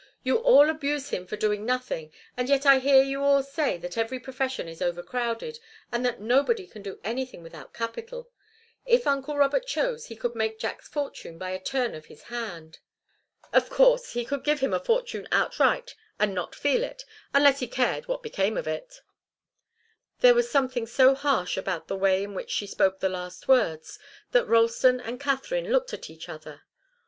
"You all abuse him for doing nothing, and yet I hear you all say that every profession is overcrowded, and that nobody can do anything without capital. If uncle Robert chose, he could make Jack's fortune by a turn of his hand." "Of course he could give him a fortune outright and not feel it unless he cared what became of it." There was something so harsh about the way in which she spoke the last words that Ralston and Katharine looked at each other.